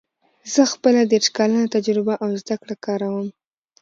زه خپله دېرش کلنه تجربه او زده کړه کاروم